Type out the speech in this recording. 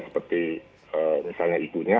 seperti misalnya ibunya